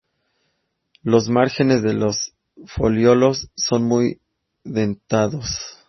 Los márgenes de los folíolos son muy dentados.